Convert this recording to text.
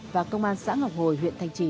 và công an xã ngọc hồi huyện thanh trì